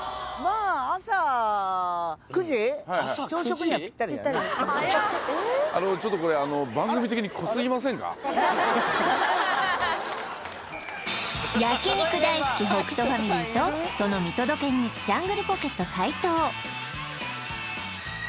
あのちょっとこれあの番組的に焼肉大好き北斗ファミリーとその見届け人ジャングルポケット斉藤